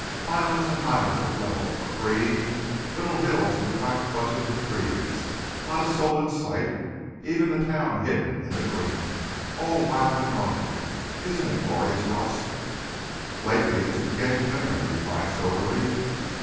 Miles and miles of level, of green. Little hills with black bunches of trees. Not a soul in sight. Even the town hidden in the green. All wild and lonely. Isn't it glorious, Russ?" "Lately it's been getting to me," I replied soberly.